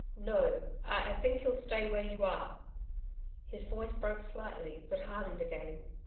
'No, I think you'll stay where you are.' His voice broke slightly but hardened again.